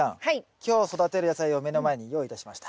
今日育てる野菜を目の前に用意いたしました。